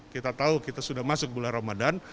kita tahu kita sudah masuk bulan ramadan